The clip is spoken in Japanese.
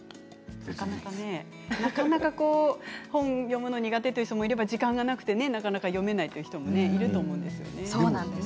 なかなかね本を読むのが苦手という人もいれば時間がなくてなかなか読めないという人もいると思います。